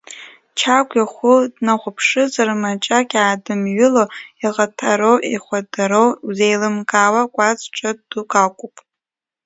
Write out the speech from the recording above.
Чагә ихәы днахәаԥшызар, маҿак иаадымҩыло, иҟатароу ихәадыроу узеилымкаауа, кәац ҽыҭ дук ақәуп!